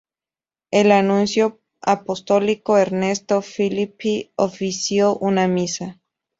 El nuncio apostólico, Ernesto Filippi, ofició una misa.